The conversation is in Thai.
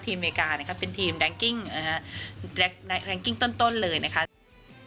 ทีมอเมริกาเป็นทีมแรงกิ้งต้นเลยนะครับ